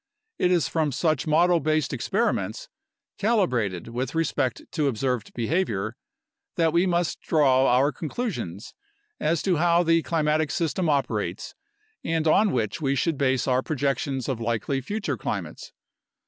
It is from such model based experiments, calibrated with respect to observed behavior, that we must draw our conclusions as to how the climatic system operates and on which we should base our projec 90 UNDERSTANDING CLIMATIC CHANGE tions of likely future climates.